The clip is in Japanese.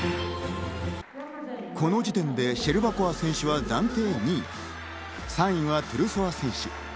この時点でシェルバコワ選手は暫定２位、３位はトゥルソワ選手。